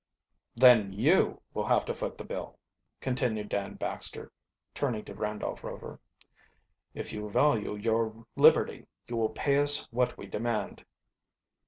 "Then you will have to foot the bill," continued Dan Baxter, turning to Randolph Rover. "If you value your liberty you will pay us what we demand."